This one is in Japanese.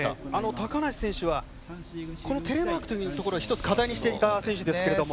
高梨選手はこのテレマークというところを一つ、課題にしていた選手ですけれども。